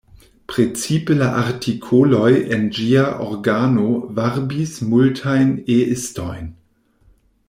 Precipe la artikoloj en ĝia organo varbis multajn E-istojn.